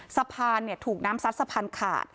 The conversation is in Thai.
สะพานถูกน้ำซัดสะพานขาด